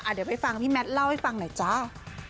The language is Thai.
เดี๋ยวไปฟังพี่แมทเล่าให้ฟังหน่อยจ้า